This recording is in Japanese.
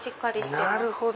なるほど。